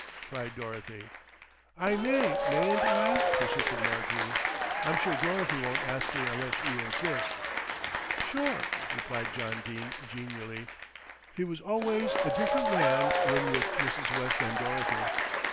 cried Dorothy. "I may, mayn't I?" persisted Marjorie. "I'm sure Dorothy won't ask me unless you insist." "Sure," replied John Dene genially. He was always a different man when with Mrs. West and Dorothy.